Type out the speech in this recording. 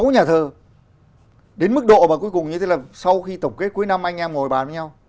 sáu nhà thơ đến mức độ mà cuối cùng như thế là sau khi tổng kết cuối năm anh em ngồi bàn với nhau